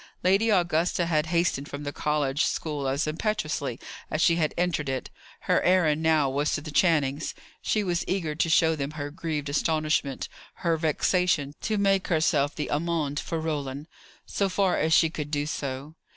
Lady Augusta had hastened from the college school as impetuously as she had entered it. Her errand now was to the Channings. She was eager to show them her grieved astonishment, her vexation to make herself the amende for Roland, so far as she could do so.